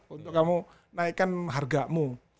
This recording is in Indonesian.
untuk kamu naikkan hargamu